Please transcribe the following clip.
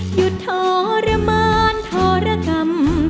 หยุดทรมานทรกรรม